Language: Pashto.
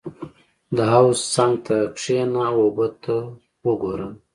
• د حوض څنګ ته کښېنه او اوبه ته وګوره.